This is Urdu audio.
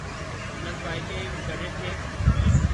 بلند پائے کے مقرر تھے۔